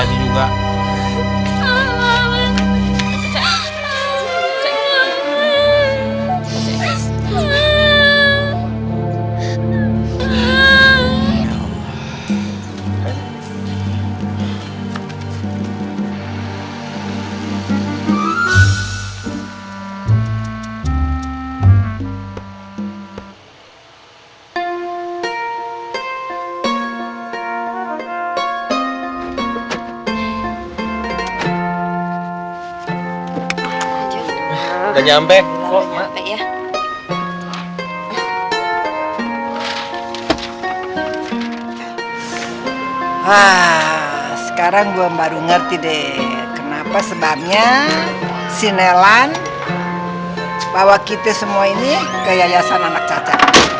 haaa sekarang gua baru ngerti deh kenapa sebarnya si nelan bawa kita semua ini ke yayasan anak caca